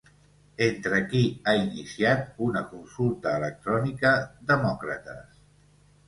Entre qui ha iniciat una consulta electrònica Demòcrates?